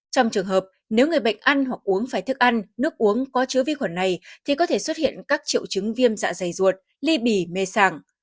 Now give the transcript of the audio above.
trong trường hợp nếu người bệnh ăn hoặc uống phải thức ăn nước uống có chứa vi khuẩn này thì có thể xuất hiện các triệu chứng viêm dạ dày ruột ly bì mê sản